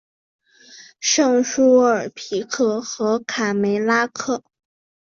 圣叙尔皮克和卡梅拉克。